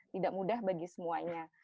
tidak mudah bagi semuanya